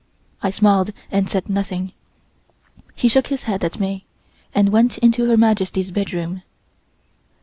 I smiled and said nothing. He shook his head at me, and went into Her Majesty's bedroom.